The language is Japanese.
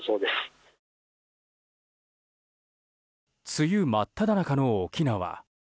梅雨真っただ中の沖縄。